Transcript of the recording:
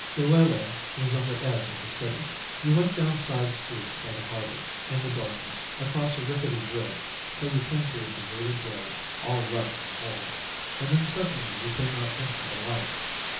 Iwelei was on the edge of the city. You went down side streets by the harbour, in the darkness, across a rickety bridge, till you came to a deserted road, all ruts and holes, and then suddenly you came out into the light.